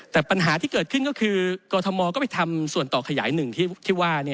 แต่ปัญหาที่เกิดขึ้นก็คือกรทมก็ไปทำส่วนต่อขยายหนึ่งที่ว่า